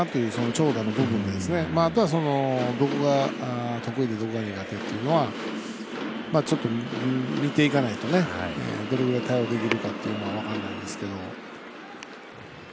長打はあとは、どこが得意でどこが苦手っていうのはちょっと見ていかないとどれぐらい対応できるかというのは分からないですけど。